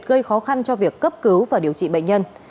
gây khó khăn cho việc cấp cứu và điều trị bệnh nhân